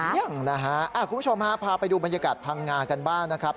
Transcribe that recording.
ยังนะฮะคุณผู้ชมฮะพาไปดูบรรยากาศพังงากันบ้างนะครับ